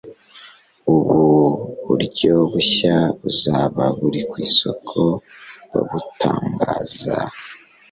ubu buryo bushya buzaba buri ku isoko babutangaza